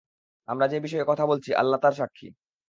আমরা যে বিষয়ে কথা বলছি আল্লাহ তার সাক্ষী।